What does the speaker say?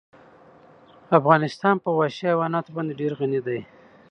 افغانستان په وحشي حیواناتو باندې ډېر غني دی.